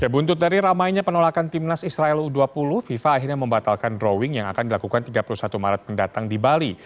buntut dari ramainya penolakan timnas israel u dua puluh fifa akhirnya membatalkan drawing yang akan dilakukan tiga puluh satu maret mendatang di bali